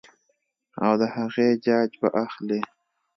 او د هغې جاج به اخلي -